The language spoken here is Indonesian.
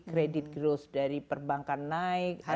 credit growth dari perbankan naik